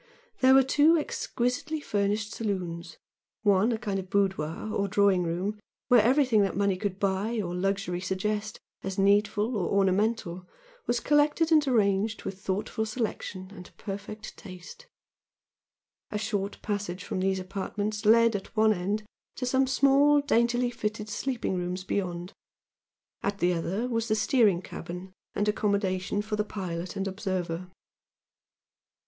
There were two exquisitely furnished saloons one a kind of boudoir or drawing room where everything that money could buy or luxury suggest as needful or ornamental was collected and arranged with thoughtful selection and perfect taste. A short passage from these apartments led at one end to some small, daintily fitted sleeping rooms beyond, at the other was the steering cabin and accommodation for the pilot and observer.